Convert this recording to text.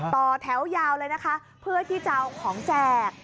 ต่อแถวยาวเลยนะคะเพื่อที่จะเอาของแจก